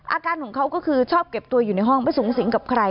อาการของเขาก็คือชอบเก็บตัวอยู่ในห้องไม่สูงสิงกับใคร